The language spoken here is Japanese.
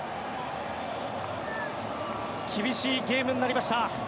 厳しいゲームになりました。